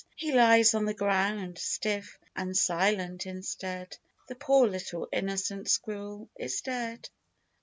He lies on the ground stiff and silent instead— The poor little innocent squirrel is dead!